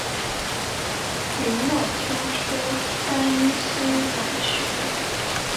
明末清初山西阳曲人。